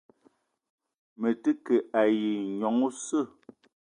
Me te ke ayi nyong oseu.